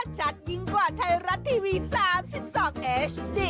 ชัดยิ่งกว่าไทรัศน์ทีวีสามสิบสองเอส